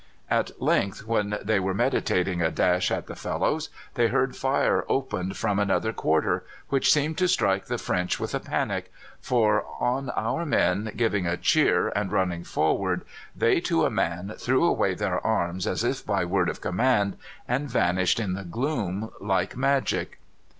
At length, when they were meditating a dash at the fellows, they heard fire opened from another quarter, which seemed to strike the French with a panic, for on our men giving a cheer and running forward, they to a man threw away their arms as if by word of command, and vanished in the gloom like magic.